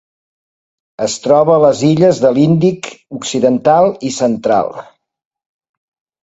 Es troba a les illes de l'Índic occidental i central.